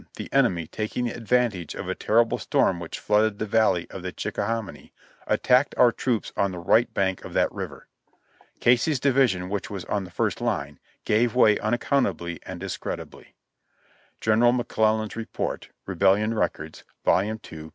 the enemy, taking advan tage of a terrible storm which flooded the valley of the Chicka hominy, attacked our troops on the right bank of that river. Casey's division, which was on the first line, gave way unaccount ably and discreditably. (General McClellan's Report, Rebellion Records, Vol, 11, p.